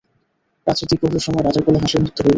রাত্রি দ্বিপ্রহরের সময় রাজার কোলে হাসির মৃত্যু হইল।